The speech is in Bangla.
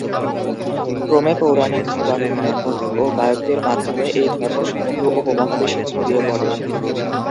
ক্রমে পৌরাণিক উপাখ্যানের কথক ও গায়কদের মাধ্যমে এই ধর্ম সমগ্র উপমহাদেশে ছড়িয়ে পড়ে।